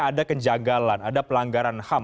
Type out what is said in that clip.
ada kejanggalan ada pelanggaran ham